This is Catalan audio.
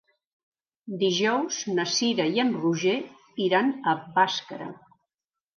Dijous na Cira i en Roger iran a Bàscara.